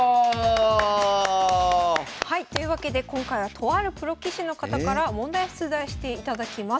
はいというわけで今回はとあるプロ棋士の方から問題を出題していただきます。